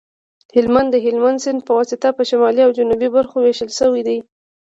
هلمند د هلمند سیند په واسطه په شمالي او جنوبي برخو ویشل شوی دی